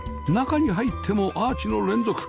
中に入ってもアーチの連続